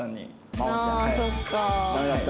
ああそっか。